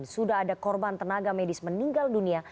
sudah ada korban tenaga medis meninggal dunia